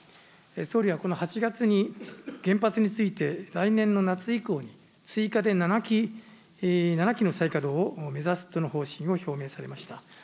総理はこの８月に原発について、来年の夏以降に、追加で７基の再稼働を目指すとの方針を表明されました。